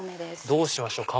どうしましょう。